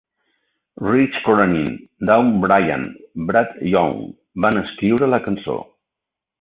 Rich Cronin, Dow Brain i Brad Young van escriure la cançó.